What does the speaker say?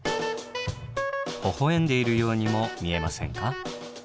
ほほ笑んでいるようにも見えませんか？